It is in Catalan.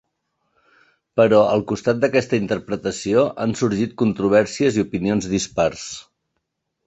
Però, al costat d'aquesta interpretació, han sorgit controvèrsies i opinions dispars.